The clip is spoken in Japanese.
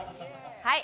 はい！